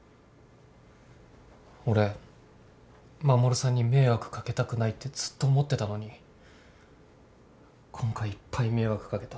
俺衛さんに迷惑かけたくないってずっと思ってたのに今回いっぱい迷惑かけた。